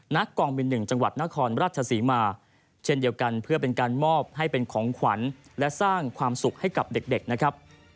กองบิน๑จังหวัดนครราชศรีมาเช่นเดียวกันเพื่อเป็นการมอบให้เป็นของขวัญและสร้างความสุขให้กับเด็กนะครับ